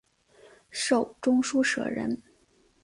授中书舍人。